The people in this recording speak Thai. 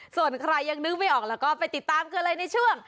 ส่วนใครยังนึกไม่ออกแล้วก็ไปติดตามกันเลยในช่วง